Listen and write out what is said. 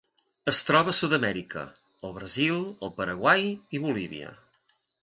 Es troba a Sud-amèrica: el Brasil, el Paraguai i Bolívia.